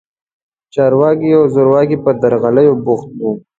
چارواکي او زورواکي په درغلیو بوخت وو.